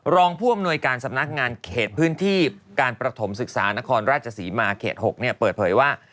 รองผู้อำนวยการสำนักงานเขตพื้นที่การประถมศึกษานครราชศรีมาเขต๖เปิดเผยว่า